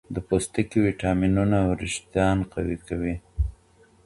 د پوستکي ویټامینونه وریښتان قوي کوي.